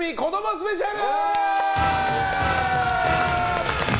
スペシャル！